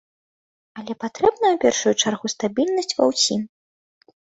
Але патрэбная ў першую чаргу стабільнасць ва ўсім.